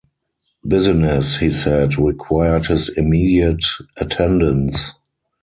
Business, he said, required his immediate attendance.